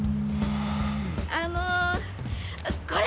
あのこれ。